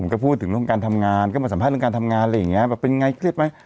ผมก็พูดถึงเรื่องการทำงานก็มาสัมภาษณ์เรื่องการทำงานเป็นไงเครียดไหม